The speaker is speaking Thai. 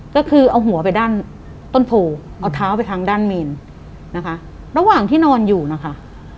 ก็คือเอาหัวไปด้านต้นโพเอาเท้าไปทางด้านเมนนะคะระหว่างที่นอนอยู่นะคะ